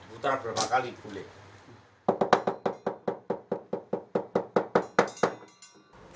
putar berapa kali boleh